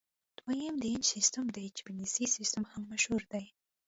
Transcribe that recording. دویم د انچ سیسټم دی چې په انګلیسي سیسټم هم مشهور دی.